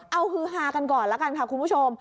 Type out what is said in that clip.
เอาฮือหากันก่อนนะครับครับคุณผู้ชม